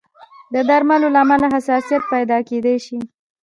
د درملو له امله حساسیت پیدا کېدای شي.